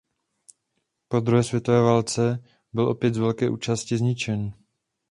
Po druhé světové válce byl opět z velké části zničen.